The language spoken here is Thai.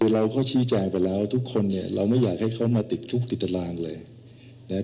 เราก็ชี้แจงไปแล้วทุกคนเนี่ยเราไม่อยากให้เขามาติดคุกติดตารางเลยนะครับ